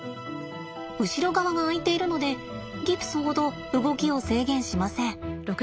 後ろ側が開いているのでギプスほど動きを制限しません。